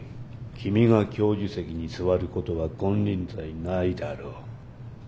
君が教授席に座ることは金輪際ないだろう。